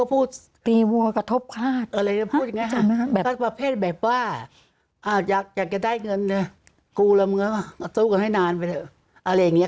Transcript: พูดเปลยคืออะไรคะ